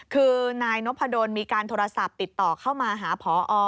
คือนายนพดลมีการโทรศัพท์ติดต่อเข้ามาหาพอ